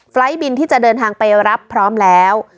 ไฟล์ทบินที่จะเดินทางไปรับพร้อมแล้ว